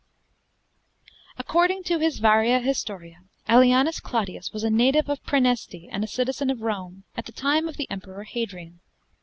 D.) According to his 'Varia Historia,' Aelianus Claudius was a native of Praeneste and a citizen of Rome, at the time of the emperor Hadrian.